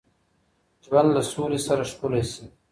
ژوند له سولي سره ښکلی سي